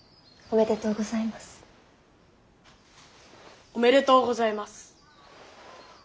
おめでとうございます。